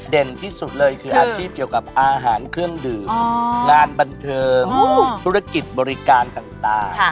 ที่สุดเลยคืออาชีพเกี่ยวกับอาหารเครื่องดื่มงานบันเทิงธุรกิจบริการต่าง